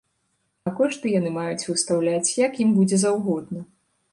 А кошты яны маюць выстаўляць як ім будзе заўгодна.